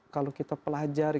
kalau kita pelajari